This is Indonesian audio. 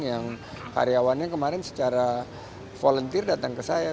yang karyawannya kemarin secara volunteer datang ke saya